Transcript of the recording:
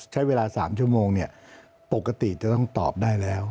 ใช้เวลา๓ชั่วโมงปกติจะต้องตอบได้แล้ว